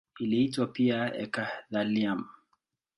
Iliitwa pia eka-thallium.